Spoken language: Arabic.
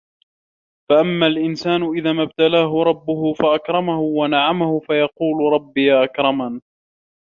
فَأَمَّا الإِنسانُ إِذا مَا ابتَلاهُ رَبُّهُ فَأَكرَمَهُ وَنَعَّمَهُ فَيَقولُ رَبّي أَكرَمَنِ